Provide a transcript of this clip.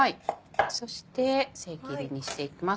そしてせん切りにしていきます。